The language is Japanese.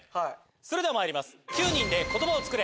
それではまいります。